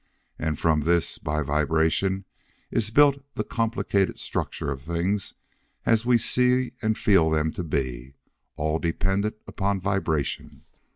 And from this, by vibration, is built the complicated structure of things as we see and feel them to be, all dependent upon vibration.